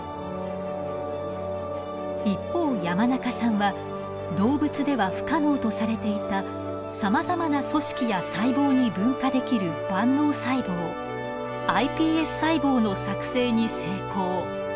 一方山中さんは動物では不可能とされていたさまざまな組織や細胞に分化できる万能細胞ｉＰＳ細胞の作製に成功。